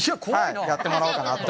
やってもらおうかなと。